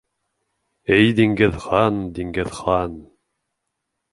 Эй Диңгеҙхан, Диңгеҙхан...